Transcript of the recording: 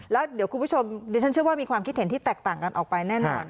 แล้วเดี๋ยวคุณผู้ชมดิฉันเชื่อว่ามีความคิดเห็นที่แตกต่างกันออกไปแน่นอน